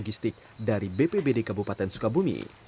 logistik dari bpbd kabupaten sukabumi